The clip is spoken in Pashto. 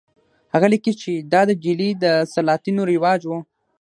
هغه لیکي چې دا د ډیلي د سلاطینو رواج و.